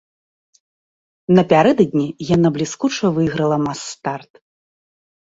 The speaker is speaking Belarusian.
Напярэдадні яна бліскуча выйграла мас-старт.